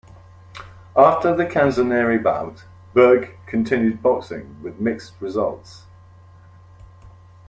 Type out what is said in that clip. After the Canzoneri bout, Berg continued boxing with mixed results.